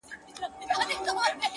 • تا کاسه خپله وهلې ده په لته ,